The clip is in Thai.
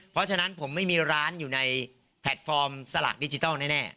เพราะฉะนั้นผมไม่มีร้านอยู่ในแพลตฟอร์มสลากดิจิทัลแน่